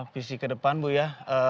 visi kedepan bu ya